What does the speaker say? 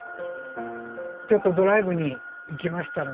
ちょっとドライブに行きましたらね